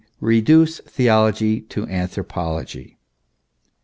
reduce theology to anthropology.